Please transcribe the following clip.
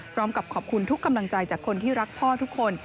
พร้อมกับขอบคุณทุกกำลังใจจากคนที่รักพ่อทุกคน